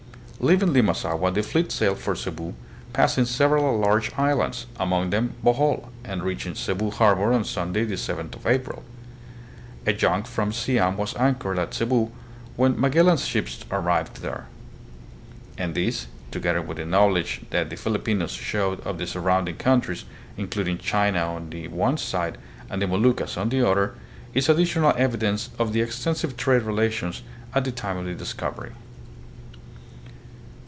Leaving Limasaua the fleet sailed for Cebu, passing several large islands, among them Bohol, and reaching Cebu harbor on Sunday, the 7th of April. A junk from Siam was anchored at Cebu when Magellan's ships arrived 80 THE PHILIPPINES. there; and this, together with the knowledge that the Filipinos showed of the surrounding countries, including China on the one side and the Moluccas on the other, is additional evidence of the extensive trade relations at the time of the discovery.